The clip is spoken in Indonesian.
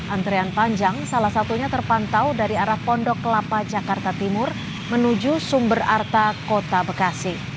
antrean panjang salah satunya terpantau dari arah pondok kelapa jakarta timur menuju sumber arta kota bekasi